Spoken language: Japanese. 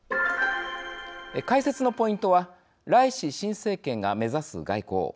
解説のポイントはライシ新政権が目指す外交。